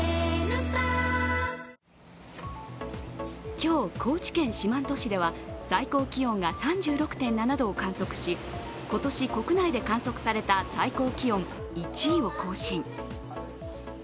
今日、高知県四万十市では最高気温が３６．７度を観測し今年国内で観測された最高気温１位を更新。